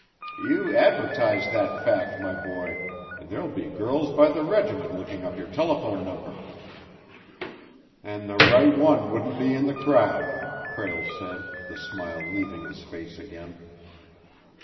"You advertise that fact, my boy, and there'll be girls by the regiment looking up your telephone number." "And the right one wouldn't be in the crowd," Prale said, the smile leaving his face again.